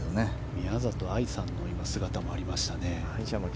宮里藍さんの姿もありましたね。